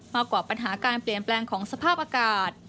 มากกว่าปัญหาการเปลี่ยนแปลงของสภาพอากาศ